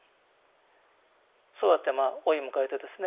そうやってまあ老いを迎えてですね